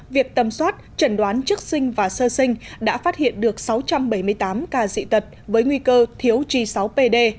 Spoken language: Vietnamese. việc tầm soát chẩn đoán trước sinh và sơ sinh đã phát hiện được sáu trăm bảy mươi tám ca dị tật với nguy cơ thiếu g sáu pd